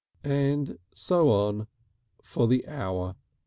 And so on for the hour.